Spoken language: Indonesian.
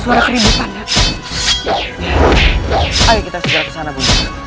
ayo kita segera kesana bu